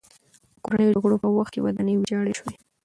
د کورنیو جګړو په وخت کې ودانۍ ویجاړه شوې.